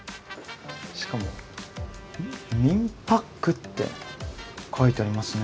しかも「みんぱっく」って書いてありますね。